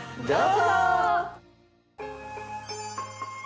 どうぞ！